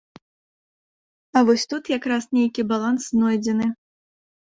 А вось тут як раз нейкі баланс знойдзены.